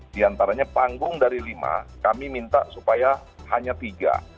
di antaranya panggung dari lima kami minta supaya hanya tiga